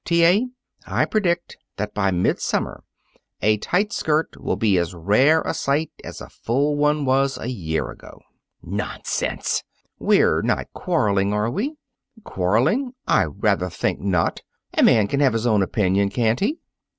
T. A., I predict that by midsummer a tight skirt will be as rare a sight as a full one was a year ago." "Nonsense!" "We're not quarreling, are we?" "Quarreling! I rather think not! A man can have his own opinion, can't he?"